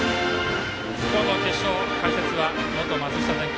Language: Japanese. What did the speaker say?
今日の決勝解説は元松下電器